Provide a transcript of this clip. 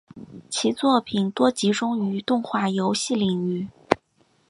其作品多集中于动画游戏领域。